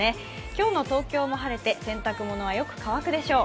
今日の東京も晴れて、洗濯物はよく乾くでしょう。